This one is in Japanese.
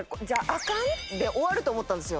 「アカン？」で終わると思ったんですよ。